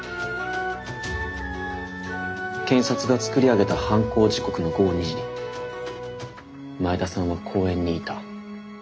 検察が作り上げた犯行時刻の午後２時に前田さんは公園にいた。